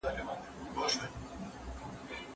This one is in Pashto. تاسو باید د ژوندپوهنې په څېړنو کي ونډه واخلئ.